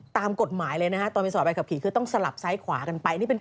ตามกฎหมายเลยนะฮะตอนมีสดแผนกับผี